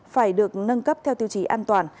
phải được nâng cấp theo tiêu chí an toàn